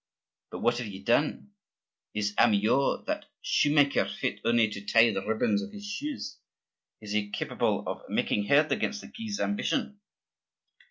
But what have you done? Is Amyot, that shoemaker, fit only to tie the ribbons of his shoes, is he capable of making head against the Guise ambition?